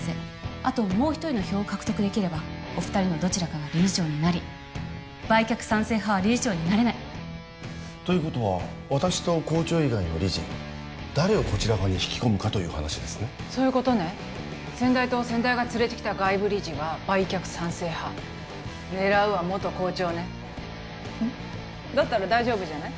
あともう一人の票を獲得できればお二人のどちらかが理事長になり売却賛成派は理事長になれないということは私と校長以外の理事誰をこちら側に引き込むかという話ですねそういうことね先代と先代が連れてきた外部理事は売却賛成派狙うは元校長ねフッだったら大丈夫じゃない？